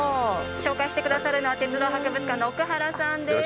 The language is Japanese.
紹介して下さるのは鉄道博物館の奥原さんです。